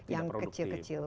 yang kecil kecil tidak produktif